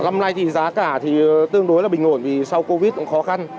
năm nay thì giá cả thì tương đối là bình ổn vì sau covid cũng khó khăn